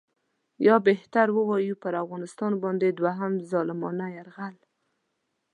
یا بهتر ووایو پر افغانستان باندې دوهم ظالمانه یرغل.